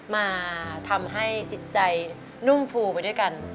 มาทำให้จิตใจนุ่มฟูไปด้วยกัน